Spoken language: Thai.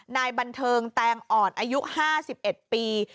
นายบันเทิงแตงอ่อนอายุ๕๑ปี